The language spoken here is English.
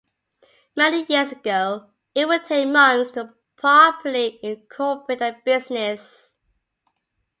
Many years ago, it would take months to properly incorporate a business.